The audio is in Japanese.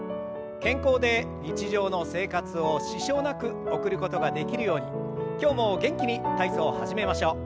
健康で日常の生活を支障なく送ることができるように今日も元気に体操を始めましょう。